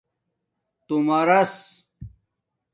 تُݸمارس